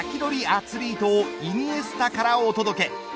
アツリートをイニエスタからお届け。